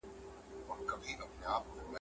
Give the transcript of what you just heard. د نجلۍ پلار د هلک شرايط ونه منل.